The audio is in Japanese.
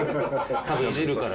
多分イジるから。